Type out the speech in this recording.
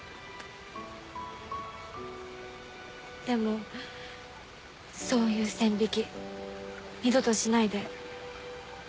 でもそういう線引き二度としないで。